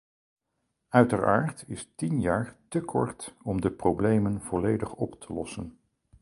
Uiteraard is tien jaar te kort om de problemen volledig op te lossen.